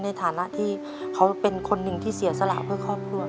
ในฐานะที่เขาเป็นคนหนึ่งที่เสียสละเพื่อครอบครัว